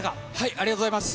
ありがとうございます。